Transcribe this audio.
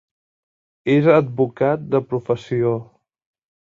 És advocat de professió.